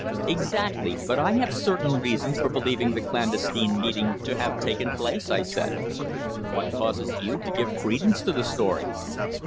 "Exactly. But I have certain reasons for believing the clandestine meeting to have taken place," I said. "What causes you to give credence to the story?"